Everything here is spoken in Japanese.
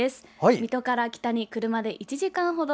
水戸から北に車で１時間ほど。